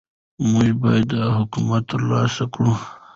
موږ باید دا حکمت ترلاسه کړو.